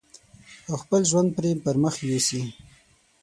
او خپل ژوند پرې پرمخ يوسي.